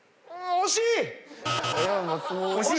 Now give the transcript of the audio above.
惜しい。